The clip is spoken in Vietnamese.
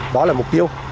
đó là mục tiêu